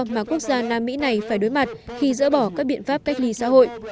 mà quốc gia nam mỹ này phải đối mặt khi dỡ bỏ các biện pháp cách ly xã hội